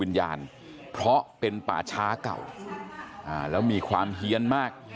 วิญญาณเพราะเป็นป่าช้าเก่าแล้วมีความเฮียนมาก